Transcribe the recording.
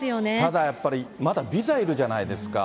ただやっぱり、まだビザいるじゃないですか。